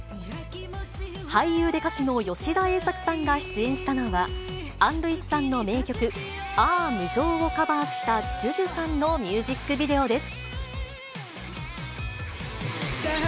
俳優で歌手の吉田栄作さんが出演したのは、アン・ルイスさんの名曲、あゝ無情をカバーした、ＪＵＪＵさんのミュージックビデオです。